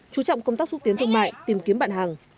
chú trọng công tác xúc tiến thương mại tìm kiếm bạn hàng